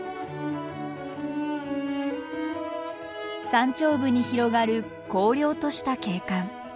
山頂部に広がる荒涼とした景観。